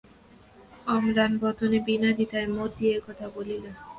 অম্লান বদনে বিনাদ্বিধায় মতি একথা বলিল।